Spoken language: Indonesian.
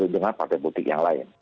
dengan partai politik yang lain